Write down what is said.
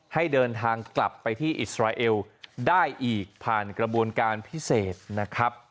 ให้เดินทางกลับไปที่อิสราเอลได้อีกผ่านกระบวนการพิเศษนะครับ